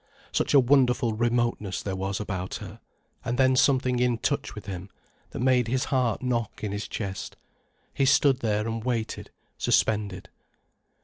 Such a wonderful remoteness there was about her, and then something in touch with him, that made his heart knock in his chest. He stood there and waited, suspended.